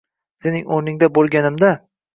Sening o'rningda bo'lganimda.